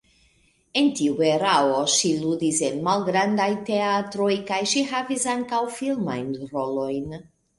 En tiu erao ŝi ludis en malgrandaj teatroj kaj ŝi havis ankaŭ filmajn rolojn.